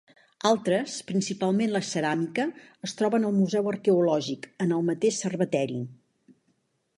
Altres, principalment la ceràmica, es troben al Museu Arqueològic en el mateix Cerveteri.